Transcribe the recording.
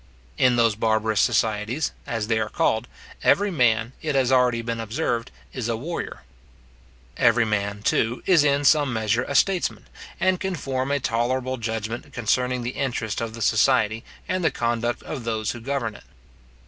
In those barbarous societies, as they are called, every man, it has already been observed, is a warrior. Every man, too, is in some measure a statesman, and can form a tolerable judgment concerning the interest of the society, and the conduct of those who govern it.